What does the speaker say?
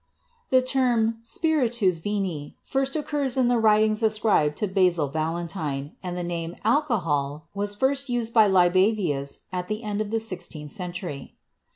The term "spiritus vini" first occurs in the writings ascribed to Basil Valentine, and the name "alcohol" was first used by Libavius at the end of the sixteenth century.